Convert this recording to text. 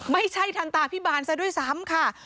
ไม่ทันตาพิบาลซะด้วยซ้ำค่ะ